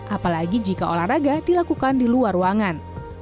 apalagi jika olahraga dilakukan di luar ruangan